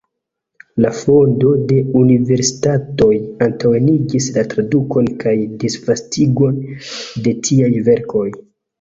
La fondo de universitatoj antaŭenigis la tradukon kaj disvastigon de tiaj verkoj.